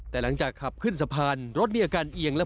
แต่หลังจากขับขึ้นสะพานรถมีอาการเอียงและ